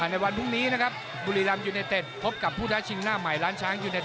ในวันพรุ่งนี้นะครับบุรีรำยูเนเต็ดพบกับผู้ท้าชิงหน้าใหม่ล้านช้างยูเต็